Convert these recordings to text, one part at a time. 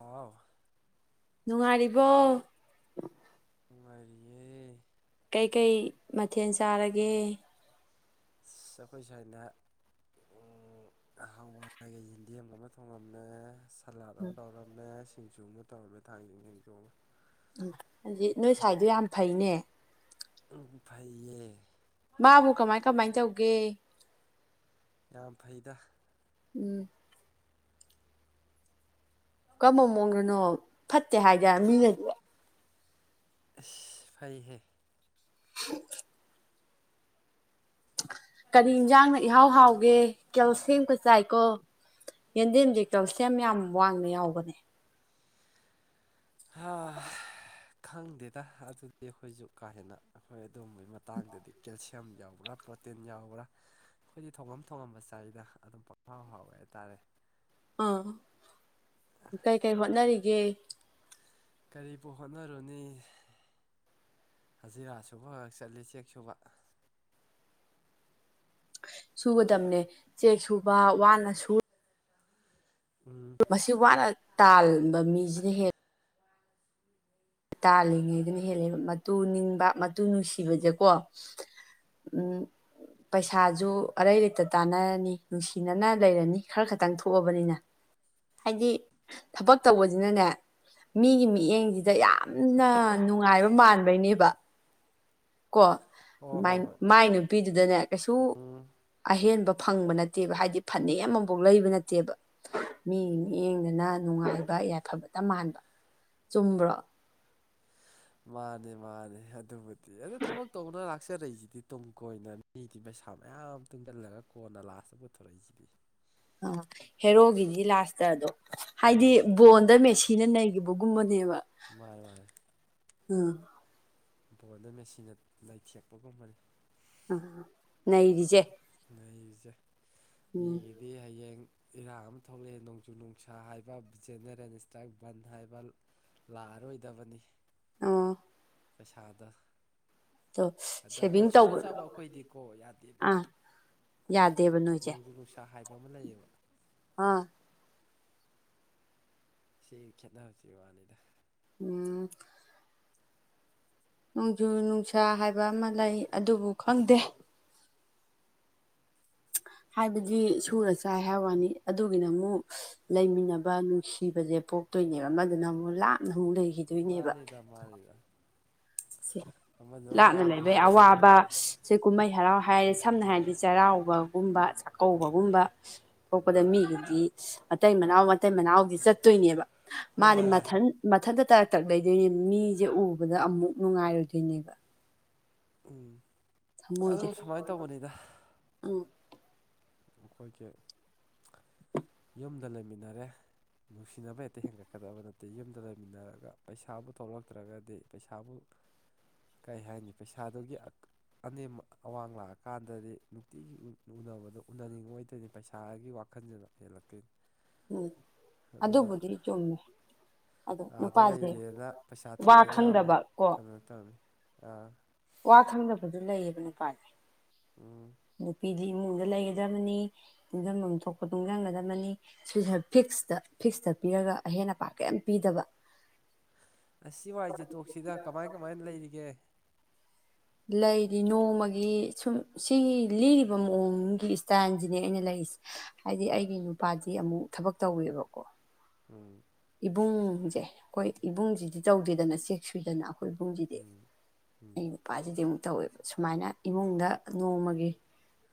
ꯑꯥꯎ ꯅꯨꯡꯉꯥꯏꯔꯤꯕꯣ ꯅꯨꯉꯥꯏꯔꯤꯌꯦ ꯀꯩꯀꯩ ꯃꯊꯦꯜ ꯆꯥꯔꯒꯦ ꯑꯩꯈꯣꯏ ꯁꯥꯏꯅ ꯎ ꯍꯋꯥꯏꯒ ꯌꯦꯟꯗꯦꯝꯒ ꯑꯃ ꯊꯣꯡꯉꯝꯃꯦ ꯁꯂꯥꯗ ꯑꯃ ꯇꯧꯔꯝꯃꯦ ꯁꯤꯡꯖꯨ ꯑꯃ ꯇꯧꯔꯝꯃꯦ ꯊꯥꯡꯖꯤꯡ ꯁꯤꯡꯖꯨ ꯑꯃ ꯎꯝ ꯑꯗꯨꯗꯤ ꯅꯣꯏ ꯁꯥꯏꯗꯣ ꯌꯥꯝ ꯐꯩꯅꯦ ꯐꯩꯌꯦ ꯃꯥꯕꯨ ꯀꯃꯥꯏ ꯀꯃꯥꯏꯅ ꯇꯧꯒꯦ ꯌꯥꯝ ꯐꯩꯗ ꯎꯝ ꯀꯔꯝꯕ ꯃꯑꯣꯡꯗꯅꯣ ꯐꯠꯇꯦ ꯍꯥꯏꯗ ꯃꯤꯅꯗꯤ ꯑꯁ ꯐꯩꯍꯦ ꯀꯔꯤ ꯌꯦꯟꯁꯥꯡꯅ ꯏꯍꯥꯎ ꯍꯥꯎꯒꯦ ꯀꯦꯜ ꯌꯦꯟꯗꯦꯝꯀ ꯆꯥꯏꯀꯣ ꯌꯦꯟꯗꯦꯝꯁꯦ ꯀꯦꯜꯁꯤꯌꯝ ꯌꯥꯝ ꯋꯥꯡꯅ ꯌꯥꯎꯕꯅꯦ ꯍ ꯈꯪꯗꯦꯗ ꯑꯗꯨꯗꯤ ꯑꯩꯈꯣꯏꯁꯨ ꯀꯥ ꯍꯦꯟꯅ ꯑꯩꯈꯣꯏ ꯑꯗꯨꯝꯕꯒꯤ ꯃꯇꯥꯡꯗꯗꯤ ꯀꯦꯜꯁꯤꯌꯝ ꯌꯥꯎꯕ꯭ꯔꯥ ꯄ꯭ꯔꯣꯇꯤꯟ ꯌꯥꯎꯕ꯭ꯔꯥ ꯑꯩꯈꯣꯏꯗꯤ ꯊꯣꯡꯉꯝ ꯊꯣꯡꯉꯝꯕ ꯆꯔꯤꯗ ꯑꯗꯨꯝ ꯄꯥꯎ ꯍꯥꯎ ꯍꯥꯎꯋꯦ ꯍꯥꯏꯇꯥꯔꯦ ꯑꯥ ꯀꯩꯀꯩ ꯍꯣꯠꯅꯔꯤꯒꯦ ꯀꯔꯤꯕꯨ ꯍꯣꯠꯅꯔꯨꯅꯤ ꯍꯖꯤꯔꯥ ꯁꯨꯕꯈꯛ ꯆꯠꯂꯤ ꯆꯦꯛ ꯁꯨꯕ ꯁꯨꯒꯗꯝꯕꯅꯦ ꯆꯦꯛ ꯁꯨꯕ ꯋꯥꯅ ꯁꯨ ꯎꯝ ꯃꯁꯤ ꯋꯥꯅ ꯇꯥꯟꯕ ꯃꯤꯁꯤꯅ ꯍꯦꯟꯂꯦ ꯇꯥꯜꯂꯤꯉꯩꯗꯅ ꯍꯦꯜꯂꯦꯕ ꯃꯇꯨ ꯅꯤꯡꯕ ꯃꯇꯨ ꯅꯨꯡꯁꯤꯕꯁꯦꯀꯣ ꯎꯝ ꯄꯩꯁꯥꯖ ꯑꯔꯩ ꯂꯩꯇ ꯇꯥꯟꯅꯔꯅꯤ ꯅꯨꯡꯁꯤꯅꯅ ꯂꯩꯔꯅꯤ ꯈꯔ ꯈꯇꯪ ꯊꯣꯛꯑꯕꯅꯤꯅ ꯍꯥꯏꯗꯤ ꯊꯕꯛ ꯇꯧꯕꯁꯤꯅꯅꯦ ꯃꯤꯒꯤ ꯃꯤꯠꯌꯦꯡꯁꯤꯗ ꯌꯥꯝ ꯅ ꯅꯨꯡꯉꯥꯏꯕ ꯃꯥꯟꯕꯩꯅꯦꯕ ꯀꯣ ꯑꯣ ꯍꯣ ꯍꯣꯏ ꯃꯥꯏ ꯅꯨꯄꯤꯗꯨꯗꯅꯦ ꯀꯩꯁꯨ ꯎꯝ ꯑꯍꯦꯟꯕ ꯐꯪꯕ ꯅꯠꯇꯦꯕ ꯍꯥꯏꯗꯤ ꯐꯅꯦꯛ ꯑꯃꯐꯥꯎ ꯂꯩꯕ ꯅꯠꯇꯦꯕ ꯃꯤ ꯃꯤꯠꯌꯦꯡꯗꯅ ꯅꯨꯡꯉꯥꯏꯕ ꯌꯥꯏꯐꯕꯇ ꯃꯥꯟꯕ ꯆꯨꯝꯕ꯭ꯔꯣ ꯃꯥꯅꯦ ꯃꯥꯅꯦ ꯑꯗꯨꯕꯨꯗꯤ ꯑꯗꯨ ꯊꯕꯛ ꯇꯧꯕꯅ ꯂꯥꯛꯆꯔꯛꯏꯁꯤꯗꯤ ꯇꯨꯡ ꯀꯣꯏꯅ ꯃꯤꯗꯤ ꯄꯩꯁꯥ ꯃꯌꯥꯝ ꯇꯨꯡꯁꯤꯜꯂꯒ ꯀꯣꯟꯅ ꯂꯥꯁꯇ ꯄꯨꯊꯣꯔꯛꯏꯁꯤꯕꯤ ꯑ ꯍꯦꯔꯣꯒꯤꯗꯤ ꯂꯥꯁꯇ ꯑꯗꯣ ꯍꯥꯏꯗꯤ ꯃꯥꯅꯦ ꯕꯣꯟꯗ ꯃꯦꯁꯤ ꯊꯤꯅ ꯅꯩꯈꯤꯕꯒꯨꯝꯕꯅꯦꯕ ꯃꯥꯅꯦ ꯃꯥꯅꯦ ꯎꯝ ꯕꯣꯟꯗ ꯃꯦꯆꯤꯟꯅ ꯂꯩꯥꯏꯊꯦꯛꯄꯒꯨꯝꯕꯅꯤ ꯑ ꯅꯩꯔꯤꯖꯦ ꯅꯆ ꯃꯤ ꯗꯤ ꯍꯌꯦꯡ ꯏꯔꯥꯡ ꯑꯃ ꯊꯣꯛꯂꯛꯑꯦ ꯅꯣꯡꯖꯨ ꯅꯨꯡꯁꯥ ꯍꯥꯏꯕ ꯖꯦꯅꯦꯔꯦꯜ ꯏꯁꯇ꯭ꯔꯥꯏꯛ ꯕꯟ ꯍꯥꯏꯕ ꯂꯥꯛꯑꯔꯣꯏꯗꯕꯅꯤ ꯑꯣ ꯐꯁꯥꯗ ꯑꯗꯣ ꯑꯗꯣꯏ ꯁꯦꯚꯤꯡ ꯁꯨꯔ ꯇꯧꯕ ꯆꯥꯕ ꯑꯩꯈꯣꯏꯗꯤꯀꯣ ꯌꯥꯗꯦꯕ ꯑꯥ ꯌꯥꯗꯦꯕ ꯅꯣꯏꯁꯦ ꯆ ꯍꯥꯏꯕ ꯑꯃ ꯂꯩꯌꯦꯕ ꯑꯥ ꯁꯤ ꯈꯦꯠꯅꯕꯁꯤ ꯋꯥꯅꯤꯗ ꯎꯝ ꯅꯣꯡꯖꯨ ꯅꯨꯡꯁꯥ ꯍꯥꯏꯕ ꯑꯃ ꯂꯩ ꯑꯗꯨꯕꯨ ꯈꯪꯗꯦ ꯍꯥꯏꯕꯗꯤ ꯁꯨꯔ ꯆꯥꯏ ꯍꯥꯏꯕ ꯋꯥꯅꯤ ꯑꯗꯨꯒꯤꯅ ꯑꯃꯨꯛ ꯂꯩꯃꯤꯟꯅꯕ ꯅꯨꯡꯁꯤꯕꯁꯦ ꯄꯣꯛꯇꯣꯏꯅꯦꯕ ꯑꯃꯗꯨꯅ ꯑꯃꯨꯛ ꯂꯥꯞꯅ ꯑꯃꯨꯛ ꯂꯩ ꯃꯥꯅꯤꯗ ꯃꯥꯅꯤꯗ ꯁꯦ ꯑꯃꯗꯨꯅ ꯂꯥꯞꯅ ꯂꯩꯕꯒꯤ ꯂꯩꯗꯣꯏꯅꯤ ꯑꯋꯥꯕ ꯍꯣꯏ ꯁꯤ ꯀꯨꯝꯍꯩ ꯍꯔꯥꯎ ꯍꯥꯏꯔꯦ ꯁꯝꯅ ꯍꯥꯏꯔꯕꯗꯤ ꯆꯩꯔꯥꯎꯕꯒꯨꯝꯕ ꯆꯥꯛꯀꯧꯕꯒꯨꯝꯕ ꯄꯣꯛꯄꯗ ꯎꯝ ꯃꯤꯒꯤꯗꯤ ꯃꯇꯩ ꯃꯅꯥꯎ ꯃꯇꯩ ꯃꯅꯥꯎꯗꯤ ꯆꯠꯇꯣꯏꯅꯦꯕ ꯃꯥꯗꯤ ꯋꯥꯏ ꯋꯥꯏ ꯃꯊꯟ ꯃꯊꯟꯇ ꯇꯔꯛ ꯇꯛ ꯂꯩꯗꯣꯏꯅꯦ ꯃꯤꯁꯦ ꯎꯕꯗ ꯑꯃꯨꯛ ꯅꯨꯡꯉꯥꯏꯔꯣꯏꯗꯣꯏꯅꯦꯕ ꯎꯝ ꯑꯗꯨ ꯊꯃꯣꯏꯁꯦ ꯁꯨꯃꯥꯏꯅ ꯇꯧꯕꯅꯤꯗ ꯎꯝ ꯑꯩꯈꯣꯏꯒꯤ ꯌꯨꯝꯗ ꯂꯩꯃꯤꯟꯅꯔꯦ ꯅꯨꯡꯁꯤꯅꯕ ꯍꯦꯛꯇ ꯍꯦꯟꯒꯠꯀꯗꯕ ꯅꯠꯇꯦ ꯌꯨꯝꯗ ꯂꯩꯃꯤꯟꯅꯔꯒ ꯄꯩꯁꯥꯕꯨ ꯊꯣꯛꯂꯛꯇ꯭ꯔꯒꯗꯤ ꯄꯩꯁꯥꯕꯨ [inaudible] ꯀꯩ ꯍꯥꯏꯅꯤ ꯄꯩꯁꯥꯗꯨꯒꯤ ꯑꯅꯦꯝ ꯑꯋꯥꯡ ꯂꯥꯛꯑꯀꯥꯟꯗꯗꯤ ꯅꯨꯡꯇꯤꯒꯤ ꯎꯅꯕꯗꯣ ꯎꯅꯅꯤꯡꯉ ꯑꯣꯏꯗꯣꯏꯅꯤ ꯄꯩꯁꯥꯒꯤ ꯋꯥꯈꯜꯁꯤꯅ ꯍꯦꯜꯂꯛꯇꯣꯏꯅꯤ ꯎꯝ ꯑꯗꯨꯅ ꯑꯗꯨꯕꯨꯗꯤ ꯆꯨꯝꯃꯦ ꯑꯗꯣ ꯑꯥꯗ ꯅꯨꯄꯥꯁꯦ ꯂꯩꯔꯦꯅ ꯄꯩꯁꯥ ꯋꯥ ꯊꯣꯛꯑꯦꯅ ꯈꯪꯗꯕ ꯑꯃꯨꯛ ꯀꯣ ꯀꯩꯅꯣ ꯇꯧꯅꯤ ꯑꯥ ꯋꯥ ꯊꯪꯅꯕꯗꯨ ꯂꯩꯌꯦꯕ ꯅꯨꯄꯥꯅꯤ ꯎꯝ ꯅꯨꯄꯤꯗꯤ ꯏꯃꯨꯡꯗ ꯂꯩꯒꯗꯕꯅꯤ ꯇꯨꯡꯖꯐꯝ ꯊꯣꯛꯄ ꯇꯨꯡꯁꯤꯟꯒꯗꯕꯅꯤ ꯁꯤ ꯐꯤꯛꯁꯇ ꯐꯤꯛꯁꯇ ꯄꯤꯔꯒ ꯑꯍꯦꯟ ꯑꯄꯥ ꯀꯔꯤꯝ ꯄꯤꯗꯕ ꯑꯁꯤ ꯋꯥꯏꯖꯦꯇꯣꯛꯁꯤꯗ ꯀꯃꯥꯏ ꯀꯃꯥꯏꯅ ꯂꯩꯔꯤꯒꯦ ꯂꯩꯗꯤ ꯅꯣꯡꯃꯒꯤ ꯁꯨꯝ ꯁꯤꯒꯤ ꯂꯤꯔꯕ ꯃꯑꯣꯡꯒꯤ ꯏꯁꯇꯥꯏꯜꯁꯤꯅꯦ ꯑꯩꯅ ꯂꯩꯔꯤꯁꯦ ꯍꯥꯏꯗꯤ ꯑꯩꯒꯤ ꯅꯨꯄꯥꯗꯤ ꯑꯃꯨꯛ ꯊꯕꯛ ꯇꯧꯋꯦꯕꯀꯣ ꯎꯝ ꯏꯕꯨꯡꯁꯦ ꯑꯩꯈꯣꯏ ꯏꯕꯨꯡꯁꯤꯗꯤ ꯇꯧꯗꯦꯗꯅ ꯆꯦꯛ ꯁꯨꯏꯗꯅ ꯑꯩꯈ ꯑꯩꯈꯣꯏꯕꯨꯝꯁꯤꯗꯤ ꯎꯝ ꯎꯝ [unintelligible] ꯅꯨꯄꯥꯁꯤꯗꯤ ꯑꯃꯨꯛ ꯇꯧꯋꯦꯕ ꯁꯨꯃꯥꯏꯅ ꯏꯃꯨꯡꯗ ꯅꯣꯡꯃꯒꯤ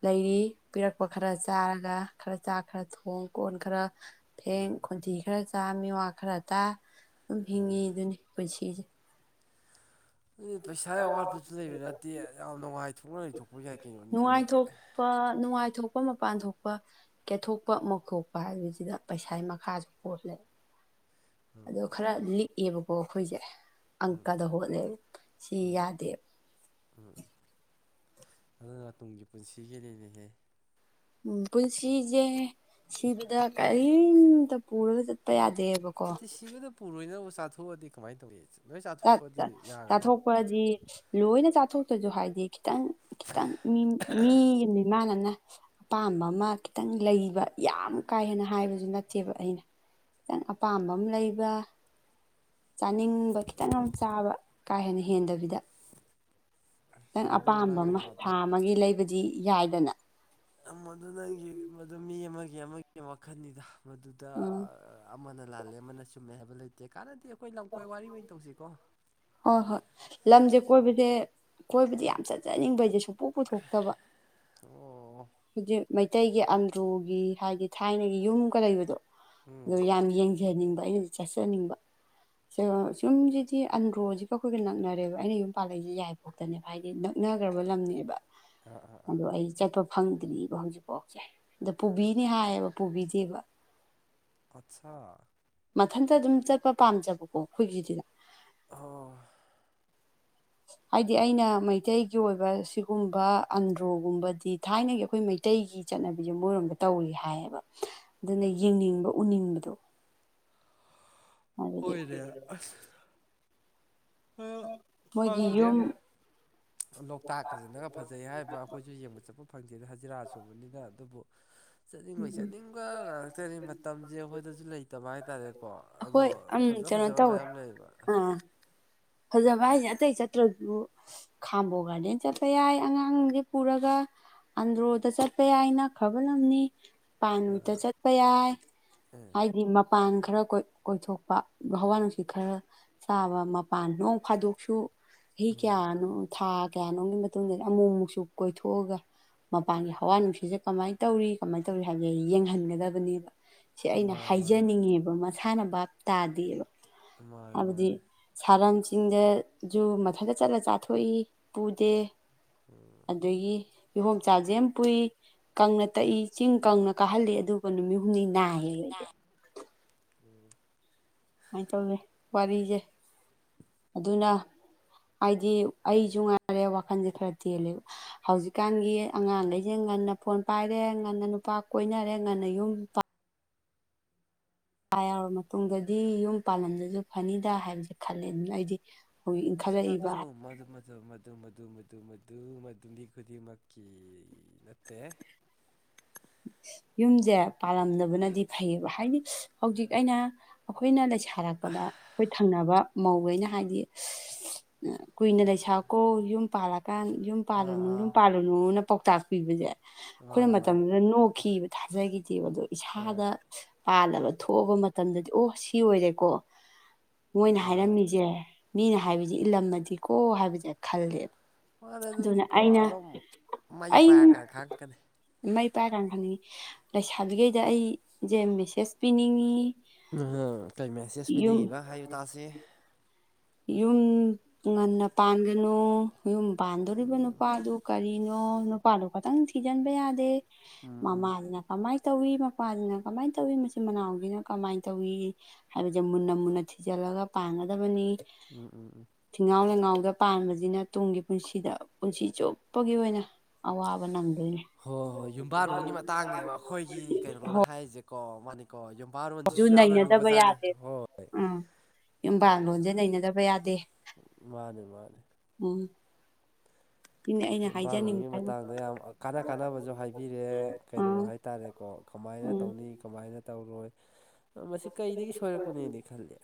ꯂꯩꯔꯤ ꯄꯤꯔꯛꯄ ꯈꯔ ꯆꯥꯔꯒ ꯈꯔ ꯆꯥꯛ ꯈꯔ ꯊꯣꯡ ꯀꯣꯟ ꯈꯔ ꯐꯦꯡ ꯎꯝ ꯈꯣꯟꯊꯤ ꯈꯔ ꯆꯥꯝꯃꯤꯋꯥ ꯈꯔ ꯇꯥ ꯑꯗꯨꯝ ꯍꯤꯡꯉꯤ ꯑꯗꯨꯅꯤ ꯄꯨꯟꯁꯤꯁꯦ ꯑꯗꯨꯗꯤ ꯄꯩꯁꯥꯒꯤ ꯑꯋꯥꯠꯄꯁꯨ ꯂꯩꯕ ꯅꯠꯇꯦ ꯌꯥꯝ ꯅꯨꯡꯉꯥꯏꯊꯣꯛꯅ ꯂꯩꯊꯣꯛꯄ ꯌꯥꯏ ꯀꯩꯅꯣꯅꯤ ꯑꯗꯨꯗꯤ ꯐ ꯅꯨꯡꯉꯥꯏꯊꯣꯛꯄ ꯃꯄꯥꯟ ꯊꯣꯛꯄ ꯀꯦꯠꯊꯣꯛꯄ ꯃꯧꯊꯣꯛꯄ ꯍꯥꯏꯕꯁꯤꯗ ꯄꯩꯁꯥꯒꯤ ꯃꯈꯥꯁꯨ ꯄꯣꯂ ꯑꯗꯣ ꯑꯣ ꯈꯔ ꯂꯤꯛꯑꯦꯕꯀꯣ ꯑꯩꯈꯣꯏꯁꯦ ꯎꯝ ꯑꯪꯀꯗ ꯍꯣꯠꯂꯦꯕ ꯁꯤ ꯌꯥꯗꯦꯕ ꯎ ꯑꯗꯨꯅ ꯇꯨꯡꯒꯤ ꯄꯨꯟꯁꯤꯒꯤꯅꯦꯅꯦꯍꯦ ꯎ ꯄꯨꯟꯁꯤꯖꯦ ꯁꯤꯕꯗ ꯀꯔꯤꯝꯇ ꯄꯨꯔꯒ ꯆꯠꯄ ꯌꯥꯗꯦꯕꯀꯣ ꯑ ꯁꯤꯕꯗ ꯄꯨꯔꯣꯏꯅꯕ ꯆꯥꯊꯣꯛꯑꯗꯤ ꯀꯃꯥꯏꯅ ꯇꯧꯋ ꯆꯥꯊꯣꯛꯄꯗꯤ ꯂꯣꯏꯅ ꯆꯥꯊꯣꯛꯇ꯭ꯔꯁꯨ ꯍꯥꯏꯗꯤ ꯈꯤꯇꯪ ꯈꯤꯇꯪ ꯃꯤ ꯃꯤ ꯃꯤꯃꯥꯟꯅꯅ ꯑꯄꯥꯝꯕ ꯑꯃ ꯈꯤꯇꯪ ꯂꯩꯕ ꯌꯥꯝ ꯀꯥ ꯍꯦꯟꯅ ꯍꯥꯏꯕꯁꯨ ꯅꯠꯇꯦ ꯆꯠꯇꯦꯕ ꯑꯩꯅ ꯈꯤꯇꯪ ꯑꯄꯥꯝꯕ ꯑꯃ ꯂꯩꯕ ꯆꯥꯅꯤꯡꯕ ꯈꯤ ꯈꯤꯇꯪ ꯌꯥꯝ ꯆꯥꯕ ꯀꯥ ꯍꯦꯟꯅ ꯍꯦꯟꯗꯕꯤꯗ ꯈꯤ ꯅꯪ ꯃꯗꯨ ꯑꯄꯥꯝꯕ ꯅꯪꯒꯤ ꯑꯃ ꯋꯥꯗꯣ ꯊꯥ ꯑꯃꯒꯤ ꯂꯩꯕꯗꯤ ꯌꯥꯏꯗꯅ ꯃꯗꯨ ꯅꯪꯒꯤ ꯃꯗꯨ ꯃꯤ ꯑꯃꯒꯤ ꯑꯃꯒꯤ ꯋꯥꯈꯜꯅꯤꯗ ꯃꯗꯨꯗ ꯎꯝ ꯑꯃꯅ ꯂꯥꯜꯂꯦ ꯑꯃꯅ ꯆꯨꯝꯃꯦ ꯍꯥꯏꯕ ꯂꯩꯇꯦ ꯀꯥꯟꯅꯗꯤ ꯑꯩꯈꯣꯏ ꯂꯝꯀꯣꯏ ꯋꯥꯔꯤ ꯑꯣꯏꯅ ꯑꯣꯏꯅ ꯇꯧꯁꯤꯀꯣ ꯍꯣꯏ ꯍꯣꯏ ꯂꯝꯁꯦ ꯀꯣꯏꯕꯁꯦ ꯀꯣꯏꯕꯗꯤ ꯌꯥꯝ ꯆꯠꯆꯅꯤꯡꯕꯩꯁꯦ ꯁꯨꯡꯄꯣꯛ ꯄꯨꯊꯣꯛꯇꯕ ꯑꯣ ꯍꯧꯖꯤꯛ ꯃꯩꯇꯩꯒꯤ ꯑꯟꯗ꯭ꯔꯣꯒꯤ ꯍꯥꯏꯗꯤ ꯊꯥꯏꯅꯒꯤ ꯌꯨꯝꯒ ꯂꯩꯕꯗꯣ ꯑꯣ ꯎꯝ ꯌꯥꯝ ꯌꯦꯡꯖꯅꯤꯡꯕ ꯑꯩꯅꯁꯨ ꯆꯠꯆꯅꯤꯡꯕ ꯁꯨꯝꯁꯤꯗꯤ ꯑꯟꯗ꯭ꯔꯣꯁꯤꯒ ꯑꯩꯈꯣꯏꯒ ꯅꯛꯅꯔꯦꯕ ꯑꯩꯅ ꯌꯨꯝ ꯄꯥꯜꯂꯛꯏꯁꯦ ꯌꯥꯏꯕꯣ ꯉꯥꯛꯇꯅꯦꯕ ꯍꯥꯏꯗꯤ ꯅꯛꯅꯈ꯭ꯔꯕ ꯂꯝꯅꯦꯕ ꯑꯥ ꯑꯥ ꯑꯥ ꯑꯗꯣ ꯑꯩ ꯆꯠꯄ ꯐꯪꯗ꯭ꯔꯤꯕꯕ ꯍꯧꯖꯤꯛꯐꯥꯎꯁꯦ ꯑꯗ ꯄꯨꯕꯤꯅꯤ ꯍꯥꯏꯌꯦꯕ ꯄꯨꯕꯤꯗꯦꯕ ꯑꯠꯆꯥꯥ ꯃꯊꯟꯇ ꯑꯗꯨꯝ ꯆꯠꯄ ꯄꯥꯝꯖꯕꯀꯣ ꯑꯩꯈꯣꯏꯒꯤꯁꯤꯗ ꯑꯣ ꯍꯥꯏꯗꯤ ꯑꯩꯅ ꯃꯩꯇꯩꯒꯤ ꯑꯣꯏꯕ ꯁꯤꯒꯨꯝꯕ ꯑꯟꯗ꯭ꯔꯣꯒꯨꯝꯕꯗꯤ ꯊꯥꯏꯅꯒꯤ ꯑꯩꯈꯣꯏ ꯃꯩꯇꯩꯒꯤ ꯆꯠꯅꯕꯤꯁꯦ ꯃꯣꯏꯔꯣꯝꯗ ꯇꯧꯔꯤ ꯍꯥꯏꯌꯦꯕ ꯑꯗꯨꯅ ꯌꯦꯡꯅꯤꯡꯕ ꯎꯅꯤꯡꯕꯗꯣ ꯑꯗꯨꯗꯤ ꯍꯣꯏꯔꯦ ꯑꯁ ꯃꯣꯏꯒꯤ ꯈꯪꯗ꯭ꯔꯦ ꯌꯨꯝ ꯂꯣꯛꯇꯥꯛ ꯐꯖꯅꯒ ꯐꯖꯩ ꯍꯥꯏꯕ ꯑꯩꯈꯣꯏꯁꯨ ꯌꯦꯡꯕ ꯆꯠꯄ ꯐꯪꯗꯦꯗ ꯍꯖꯤꯔꯥ ꯁꯨꯕꯅꯤꯅ ꯑꯗꯨꯕꯨ [unintelligible] ꯆꯠꯅꯤꯡꯕꯩ ꯆꯠꯅꯤꯡꯕ ꯉꯥꯛꯇꯅꯤ ꯃꯇꯝꯁꯦ ꯑꯩꯈꯣꯏꯗꯁꯨ ꯂꯩꯇꯕ ꯍꯥꯏꯇꯥꯔꯦꯀꯣ ꯑꯗꯣ ꯍꯣꯏ ꯎꯝ ꯐꯖ ꯀꯩꯅꯣ ꯐꯖꯕ ꯇꯧꯋꯦ ꯃꯌꯥꯝ ꯂꯩꯌꯦꯕ ꯑꯥ ꯐꯖꯕ ꯍꯥꯏꯁꯦ ꯑꯇꯩ ꯆꯠꯇ꯭ꯔꯗꯨꯕꯨ ꯈꯥꯝꯕꯣ ꯒꯥꯔꯗꯦꯟ ꯆꯠꯄ ꯌꯥꯏ ꯑꯉꯥꯡꯁꯦ ꯄꯨꯔꯒ ꯑꯟꯗ꯭ꯔꯣꯗ ꯆꯠꯄ ꯌꯥꯏꯅ ꯈ꯭ꯔꯕ ꯂꯝꯝꯅꯤ ꯄꯥꯟꯠꯇ ꯆꯠꯄ ꯌꯥꯏ ꯑꯦ ꯍꯥꯏꯗꯤ ꯄꯥꯡ ꯈꯔ ꯀꯣꯏꯊꯣꯛꯄ ꯍꯋꯥ ꯅꯨꯡꯁꯤꯠ ꯈꯔ ꯆꯥꯕ ꯃꯄꯥꯟ ꯅꯣꯡ ꯐꯥꯗꯣꯛꯁꯨ ꯆꯍꯤ ꯎꯝ ꯀꯌꯥꯅꯣ ꯊꯥ ꯀꯌꯥꯅꯣꯒꯤ ꯃꯇꯨꯡꯗꯗꯤ ꯑꯃꯨꯛ ꯑꯃꯨꯛꯁꯨ ꯀꯣꯏꯊꯣꯛꯑꯒ ꯃꯄꯥꯟꯒꯤ ꯍꯋꯥ ꯅꯨꯡꯁꯤꯠꯁꯦ ꯀꯃꯥꯏꯅ ꯇꯧꯔꯤ ꯀꯃꯥꯏꯅ ꯇꯧꯔꯤ ꯍꯥꯏꯕꯒꯦ ꯑꯩ ꯌꯦꯡꯍꯟꯒꯗꯕꯅꯦꯕ ꯁꯤ ꯑꯩꯅ ꯃꯥꯅꯤ ꯃꯥꯅꯤ ꯍꯥꯏꯖꯅꯤꯡꯉꯦꯕ ꯃꯁꯦ ꯊꯥꯅꯕ ꯇꯥꯗꯦꯑꯕ ꯃꯥꯅꯤ ꯍꯥꯏꯕꯗꯤ ꯃꯥꯅꯤ ꯁꯥꯔꯟꯁꯤꯡꯗꯖꯨ ꯃꯊꯟꯛꯇ ꯆꯠꯂ ꯆꯥꯊꯣꯛꯏ ꯄꯨꯗꯦ ꯑꯗꯒꯤ ꯌꯍꯣꯝꯆꯥꯁꯦ ꯌꯥꯝ ꯄꯨꯏ ꯀꯪꯅ ꯇꯛꯏ ꯆꯤꯡ ꯀꯪꯅ ꯀꯥꯍꯜꯂꯤ ꯑꯗꯨꯒ ꯅꯨꯃꯤꯠ ꯍꯨꯝꯅꯤ ꯅꯥꯏꯌꯦꯕ ꯍꯗ ꯑꯩꯁꯦ ꯁꯨꯃꯥꯏꯅ ꯇꯧꯋꯦ ꯋꯥꯔꯤꯁꯦ ꯑꯗꯨꯅ ꯍꯥꯏꯗꯤ ꯑꯩꯁꯨ ꯉꯥꯏꯔꯦ ꯋꯥꯈꯟꯁꯦ ꯈꯔ ꯇꯦꯜꯂꯦꯕ ꯍꯧꯖꯤꯛꯀꯥꯟꯒꯤ ꯑꯉꯥꯡꯈꯩꯁ ꯉꯟꯅ ꯐꯣꯟ ꯄꯥꯏꯔꯦ ꯉꯟꯅ ꯅꯨꯄꯥ ꯀꯣꯏꯅꯔꯦ ꯉꯟꯅ ꯌꯨꯝ ꯥ ꯌꯥꯎꯔꯕ ꯃꯇꯨꯡꯗꯗꯤ ꯌꯨꯝ ꯄꯥꯂꯝꯗꯁꯨ ꯐꯅꯤꯗ ꯍꯥꯏꯕꯁꯦ ꯈꯜꯂꯦ ꯑꯗꯨꯅ ꯑꯩꯗꯤ ꯍꯧꯖꯤꯛ ꯁ ꯃꯗꯨ ꯏꯟꯈꯠꯂꯛꯏꯕ ꯃꯗꯨ ꯃ ꯑꯗꯨ ꯃꯗꯨ ꯃꯗꯨ ꯃꯗꯨ ꯃꯗꯨ ꯃꯗꯨ ꯃꯤ ꯈꯨꯗꯤꯡꯃꯛꯀꯤ ꯅꯠꯇꯦ ꯌꯨꯝꯁꯦ ꯄꯥꯜꯂꯝꯗꯕꯅꯗꯤ ꯐꯩꯌꯦꯕ ꯍꯥꯏꯗꯤ ꯍꯧꯖꯤꯛ ꯑꯩꯅ ꯑꯩꯈꯣꯏꯅ ꯂꯩꯁꯥ ꯊꯥꯔꯛꯄꯗ ꯑꯩꯈꯣꯏ ꯊꯪꯅꯕ ꯃꯧꯋꯩꯅ ꯍꯥꯏꯗꯤ ꯀꯨꯏꯅ ꯂꯩꯁꯥꯀꯣ ꯌꯨꯝ ꯄꯥꯜꯂꯀꯥꯟ ꯌꯨꯝ ꯑꯥ ꯄꯥꯜꯂꯨꯅꯨ ꯑꯥ ꯌꯨꯝ ꯄꯥꯜꯂꯨꯅꯨꯅ ꯄꯥꯎꯇꯥꯛ ꯄꯤꯕꯖꯦ ꯑꯩꯈꯣꯏꯅ ꯃꯥꯅꯤ ꯃꯥꯅꯤ ꯃꯇꯝꯗꯨꯗ ꯅꯣꯛꯈꯤꯕ ꯊꯥꯖꯈꯤꯗꯦꯕ ꯑꯗꯣ ꯑꯥ ꯏꯁꯥꯗ ꯄꯥꯜꯂꯕ ꯊꯣꯛꯑꯕ ꯃꯇꯝꯗꯗꯤ ꯑꯣ ꯁꯤ ꯑꯣꯏꯔꯦꯀꯣ ꯃꯣꯏꯅ ꯃꯥꯅꯤ ꯍꯥꯏꯔꯝꯃꯤꯁꯦ ꯃꯤꯅ ꯍꯥꯏꯕꯁꯦ ꯏꯜꯂꯝꯃꯗꯤꯀꯣ ꯍꯥꯏꯕꯁꯦ ꯈꯜꯂꯦꯕ ꯃꯥꯅꯦ ꯑꯗꯨꯅ ꯑꯗꯨꯗꯤꯀꯣ ꯑꯩꯅ ꯑꯗꯨꯝ ꯃꯩ ꯑꯩ ꯄꯥꯏꯛꯀꯥꯟꯅ ꯈꯪꯉꯛꯀꯅꯤ ꯃꯩ ꯄꯥꯏ ꯀꯥꯟꯅ ꯈꯟꯅꯤꯡꯉꯤ ꯂꯩꯁꯥꯕꯤꯈꯩꯗ ꯑꯩꯁꯦ ꯃꯦꯁꯦꯖ ꯄꯤꯅꯤꯡꯉꯤ ꯀꯩ ꯃꯦꯁꯦꯁ ꯌꯨꯝ ꯄꯤꯅꯤꯡꯉꯤꯕ ꯍꯥꯏꯌꯨꯇꯥꯥꯁꯦ ꯌꯨꯝ ꯉꯟꯅ ꯄꯥꯟꯒꯅꯨ ꯌꯨꯝ ꯄꯥꯟꯗꯧꯔꯤꯕ ꯅꯨꯄꯥꯗꯨ ꯀꯔꯤꯅꯣ ꯅꯨꯄꯥꯗꯣ ꯈꯇꯪ ꯊꯤꯖꯤꯟꯕ ꯌꯥꯗꯦ ꯃꯃꯥꯁꯤꯅ ꯀꯃꯥꯏꯅ ꯇꯧꯏꯤ ꯃꯄꯥꯗꯨꯅ ꯀꯃꯥꯏꯅ ꯇꯧꯏꯤ ꯃꯆꯤꯟ ꯃꯅꯥꯎꯒꯤꯅ ꯀꯃꯥꯏꯅ ꯇꯧꯏ ꯍꯥꯏꯕꯁꯦ ꯃꯨꯟꯅ ꯃꯨꯟꯅ ꯊꯤꯖꯤꯜꯂꯒ ꯄꯥꯡꯒꯗꯕꯅꯤ ꯎꯝ ꯎꯝ ꯎꯝ ꯊꯤꯡꯉꯥꯎ ꯂꯩꯉꯥꯎꯗ ꯄꯥꯟꯕꯁꯤꯅ ꯇꯨꯡꯒꯤ ꯄꯨꯟꯁꯤꯗ ꯄꯨꯟꯁꯤ ꯆꯨꯞꯄꯒꯤ ꯑꯣꯏꯅ ꯑ ꯋꯥꯕ ꯅꯒ ꯍꯣꯏ ꯍꯣꯏ ꯌꯨꯝꯕꯥꯔꯣꯟꯒꯤ ꯀ ꯃꯥꯅꯤꯀꯣ ꯌꯨꯝꯄꯥꯔꯣꯟꯁꯤꯁꯨ ꯌꯥꯝꯅ ꯂꯨꯕ ꯅꯩꯅꯗꯕ ꯖꯥꯠꯅꯤ ꯌꯥꯗꯦ ꯍꯣꯏꯣꯏ ꯎꯝ ꯌꯨꯝꯕꯥꯜ ꯂꯣꯟꯁꯦ ꯅꯩꯅꯗꯕ ꯌꯥꯗꯦ ꯃꯥꯅꯦ ꯃꯥꯅꯦ ꯎꯝ ꯁꯤꯅꯦ ꯑꯩꯅ ꯍꯥꯏꯖꯅꯤꯡꯕ ꯏꯝꯐꯥꯜꯂꯣꯒꯤ ꯍꯥꯏꯕꯨ ꯃꯇꯥꯡꯗ ꯌꯥꯝ ꯀꯥꯟꯅ ꯀꯥꯟꯅꯕꯁꯨ ꯍꯥꯏꯕꯤꯔꯑꯦ ꯀꯩꯅꯣ ꯑꯥ ꯍꯥꯏꯇꯥꯔꯦꯀꯣ ꯀꯃꯥꯏꯅ ꯎꯝ ꯇꯧꯅꯤ ꯀꯃꯥꯏꯅ ꯇꯧꯔꯣꯏ ꯃꯁꯤ ꯀꯩꯗꯒꯤ ꯁꯣꯏꯔꯛꯄꯅꯦꯅ ꯈꯜꯂꯦ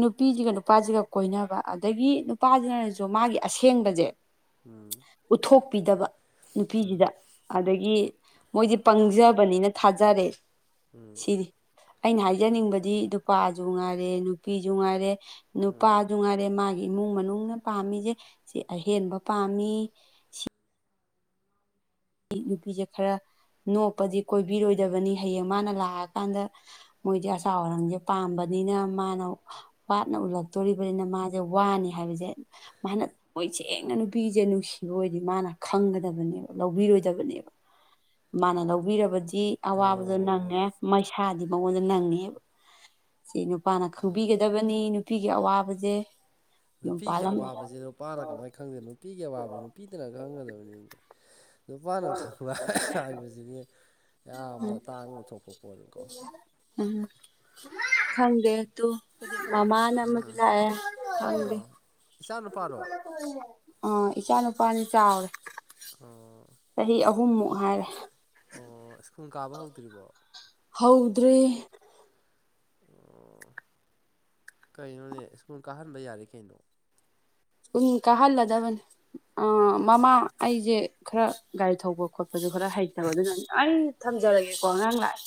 ꯅꯨꯄꯤꯁꯤꯒ ꯅꯨꯄꯥꯁꯤꯒ ꯀꯣꯏꯅꯕ ꯑꯗꯒꯤ ꯅꯨꯄꯥꯁꯤꯅꯁꯨ ꯃꯥꯒꯤ ꯑꯁꯦꯡꯕꯁꯦ ꯎꯝ ꯎꯠꯊꯣꯛꯄꯤꯗꯕ ꯅꯨꯄꯤꯁꯤꯗ ꯑꯗꯒꯤ ꯃꯣꯏꯗꯤ ꯄꯪꯖꯕꯅꯤꯅ ꯊꯥꯖꯔꯦ ꯎꯝ ꯁꯤꯅꯤ ꯑꯩꯅ ꯍꯥꯏꯖꯅꯤꯡꯕꯗꯤ ꯅꯨꯄꯥꯁꯨ ꯉꯥꯏꯔꯦ ꯅꯨꯄꯤꯁꯨ ꯉꯥꯏꯔꯦ ꯅꯨꯄꯥ ꯉꯥꯏꯔꯦ ꯃꯥꯒꯤ ꯏꯃꯨꯡ ꯃꯅꯨꯡꯅ ꯄꯥꯝꯃꯤꯁꯦ ꯁꯤ ꯑꯍꯦꯟꯕ ꯄꯥꯝꯃꯤ ꯅꯨꯄꯤꯁꯦ ꯈꯔ ꯅꯣꯛꯞꯄꯗꯤ ꯀꯣꯏꯕꯤꯔꯣꯏꯗꯕꯅꯤ ꯍꯌꯦꯡ ꯃꯥꯅ ꯂꯥꯛꯑꯀꯥꯟꯗ ꯃꯣꯏꯗꯤ ꯑꯆꯥ ꯑꯔꯥꯡꯁꯦ ꯄꯥꯝꯕꯅꯤꯅ ꯃꯥꯅ ꯋꯥꯠꯅ ꯎꯠꯂꯛꯇꯣꯔꯤꯕꯅꯤꯅ ꯃꯥꯁꯦ ꯋꯥꯅꯤ ꯍꯥꯏꯕꯁꯦ ꯃꯥꯅ ꯃꯣꯏꯁꯦ ꯊꯦꯡꯅ ꯅꯨꯄꯤꯁꯦ ꯅꯨꯡꯁꯤꯕ ꯑꯣꯏꯗꯤ ꯃꯥꯅ ꯈꯪꯒꯗꯕꯅꯦꯕ ꯂꯧꯕꯤꯔꯣꯏꯗꯕꯅꯦꯕ ꯃꯥꯅ ꯂꯧꯕꯤꯔꯕꯗꯤ ꯑꯋꯥꯕꯗꯣ ꯑꯣ ꯅꯪꯉꯦ ꯃꯩꯁꯥꯗꯤ ꯃꯉꯣꯟꯗ ꯅꯪꯉꯦꯕ ꯁꯤ ꯅꯨꯄꯥꯅ ꯈꯪꯕꯤꯒꯗꯕꯅꯤ ꯅꯨꯄꯤꯒꯤ ꯑꯋꯥꯕꯁꯦ ꯌꯨꯝ ꯅꯨꯄꯤꯒꯤ ꯄꯥꯜꯂꯝ ꯑꯋꯥꯕꯁꯤꯦ ꯅꯨꯄꯥꯅ ꯀꯃꯥꯏꯅ ꯈꯪꯗꯦꯅꯣ ꯅꯨꯄꯤꯒꯤ ꯑꯋꯥꯕꯕꯁꯤ ꯅꯨꯄꯤꯗꯅ ꯈꯪꯒꯗꯕꯅꯤꯅꯦ ꯅꯨꯄꯥꯅ ꯈꯪꯕ ꯍꯥꯏꯕꯁꯤꯅꯤ ꯌꯥꯝꯅ ꯎꯝ ꯇꯥꯡꯅ ꯊꯣꯛꯄ ꯄꯣꯠꯅꯤꯀꯣ ꯎꯝ ꯈꯪꯗꯦ ꯇꯨ ꯃꯃꯥꯅ ꯑꯃꯗꯤ ꯂꯥꯛꯑꯦ ꯈꯪꯗꯦ ꯑꯣ ꯏꯆꯥ ꯅꯨꯄꯥꯔꯣ ꯑ ꯏꯆꯥ ꯅꯨꯄꯥꯅꯤ ꯆꯥꯎꯔꯦ ꯑꯣ ꯆꯍꯤ ꯑꯍꯨꯝꯃꯨꯛ ꯍꯥꯏꯔꯦ ꯑꯣ ꯁ꯭ꯀꯨꯜ ꯀꯥꯕ ꯍꯧꯗ꯭ꯔꯤꯕꯣ ꯍꯧꯗ꯭ꯔꯦ ꯑꯣ ꯀꯩꯅꯣꯅꯦ ꯁ꯭ꯀꯨꯜ ꯀꯥꯍꯟꯕ ꯌꯥꯔꯦ ꯀꯩꯅꯣ ꯎꯟ ꯀꯥꯍꯜꯂꯗꯕꯅꯤ ꯃꯃꯥ ꯑꯩꯁꯦ ꯈꯔ ꯒꯥꯔꯤ ꯊꯧꯕ ꯈꯣꯠꯄꯁꯨ ꯈꯔ ꯍꯩꯇꯕ ꯑꯗꯨꯅ ꯑꯩ ꯊꯝꯖꯔꯒꯦꯀꯣ ꯑꯉꯥꯡ ꯂꯥꯛꯑꯦ